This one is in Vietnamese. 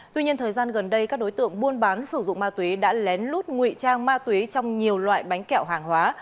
tuy nhiên thời gian gần đây các đối tượng buôn bán sử dụng ma túy đã lén lút nguy trang ma túy trong nhiều loại bánh kẹo hàng hóa